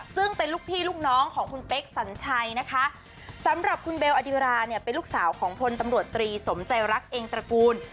ซึ่งเป็นลูกพี่ลูกน้องของคุณเป๊กสัญชัยนะคะสำหรับคุณเบลอดิราเนี่ยเป็นลูกสาวของพลตำรวจตรีสมใจรักเองตระกูล